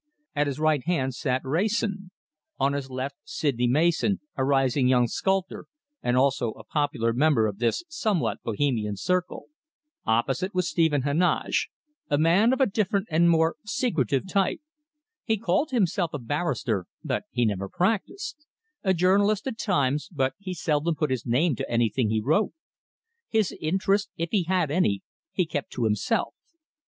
At his right hand sat Wrayson; on his left Sydney Mason, a rising young sculptor, and also a popular member of this somewhat Bohemian circle. Opposite was Stephen Heneage, a man of a different and more secretive type. He called himself a barrister, but he never practised; a journalist at times, but he seldom put his name to anything he wrote. His interests, if he had any, he kept to himself.